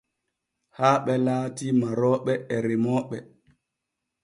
Haaɓe laati marooɓe he remmoɓe.